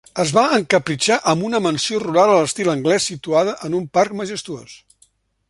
Es van encapritxar amb una mansió rural a l'estil anglès situada en un parc majestuós.